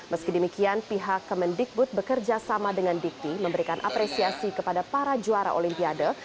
meski demikian pihak kemendikbud bekerja sama dengan dikti memberikan apresiasi kepada para juara olimpiade